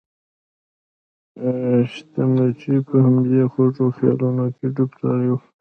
حشمتي په همدې خوږو خيالونو کې ډوب تللی و.